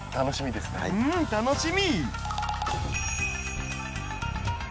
うん楽しみ！